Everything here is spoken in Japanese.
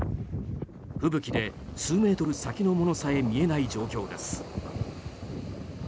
吹雪で数メートル先のものさえ見えない状況です。